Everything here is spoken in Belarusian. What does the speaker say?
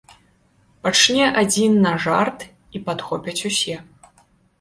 Пачне адзін на жарт, і падхопяць усе.